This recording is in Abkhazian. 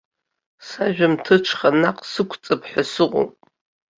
Сажәымҭыҽха наҟ сықәҵып ҳәа сыҟоуп.